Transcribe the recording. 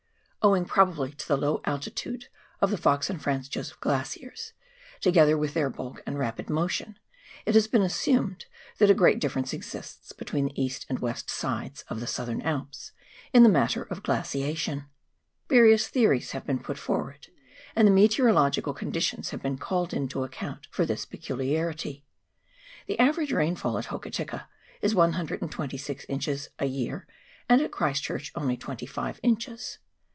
Owing probably to the low altitude of the Fox and Franz Josef Glaciers, together with their bulk and rapid motion, it has been assumed that a great difference exists between the east and west sides of the Southern Alps in the matter of glaciation. Various theories have been put forward, and the meteorological conditions have been called in to account for this peculiarity. The average rainfall at Hokitika is 126 inches a year and at Christchurch only 25 inches.